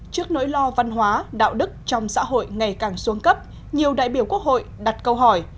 trước nỗi lo văn hóa đạo đức trong xã hội ngày càng xuống cấp nhiều đại biểu quốc hội đặt câu hỏi